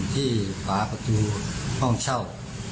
ฝาประตูห้องเช่า